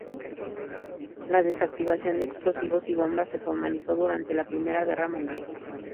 La desactivación de explosivos y bombas se formalizó durante la Primera Guerra Mundial.